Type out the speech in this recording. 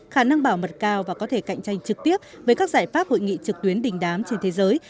khả năng bảo mật cao và có thể cạnh tranh trực tiếp với các giải pháp hội nghị trực tuyến đình đám trên thế giới